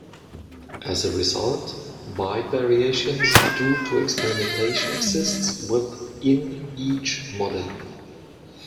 As a result, wide variation due to experimentation exists within each model.